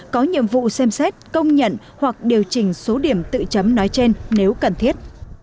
có nhiệm vụ xem xét công nhận hoặc điều chỉnh số điểm tự chấm nói trên nếu cần thiết